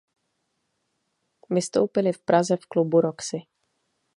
Vystoupili v Praze v klubu Roxy.